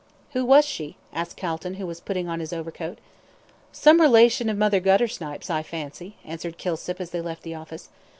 "Who was she?" asked Calton, who was putting on his overcoat. "Some relation of Mother Guttersnipe's, I fancy," answered Kilsip, as they left the office.